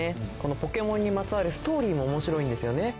ポケモンにまつわるストーリーもおもしろいんですよね。